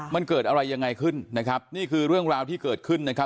มันเกิดอะไรยังไงขึ้นนะครับนี่คือเรื่องราวที่เกิดขึ้นนะครับ